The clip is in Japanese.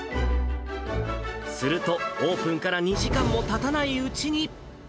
すると、オープンから２時間もたたないうちに。